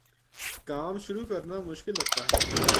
کام شروع کرنا مشکل لگتا ہے